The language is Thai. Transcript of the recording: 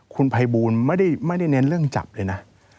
คุณภัยบูลไม่ได้เน้นเรื่องจับเลยนะ